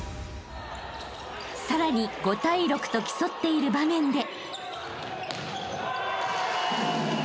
［さらに５対６と競っている場面で］